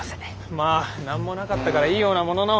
まあ何もなかったからいいようなものの。